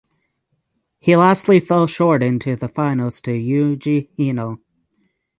He lastly fell short into the finals to Yuji Hino.